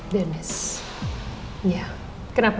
dennis ya kenapa